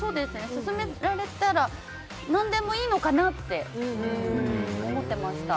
勧められたら、何でもいいのかなって思ってました。